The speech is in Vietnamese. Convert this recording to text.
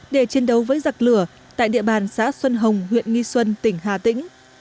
để chiến đấu với giặc lửa tại địa bàn xã xuân hồng huyện nghi xuân tỉnh hà tĩnh